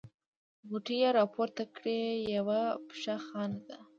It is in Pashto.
غوټې يې راپورته کړې: یوه پشه خانه ده.